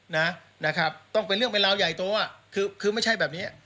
นะครับต้องเป็นเรื่องเป็นราวใหญ่โตอ่ะคือคือไม่ใช่แบบเนี้ย